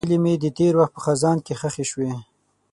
هیلې مې د تېر وخت په خزان کې ښخې شوې.